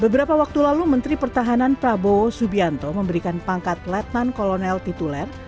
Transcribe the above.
beberapa waktu lalu menteri pertahanan prabowo subianto memberikan pangkat letnan kolonel tituler